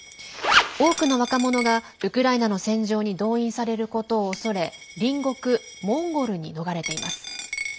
多くの若者がウクライナの戦場に動員されることを恐れ隣国モンゴルに逃れています。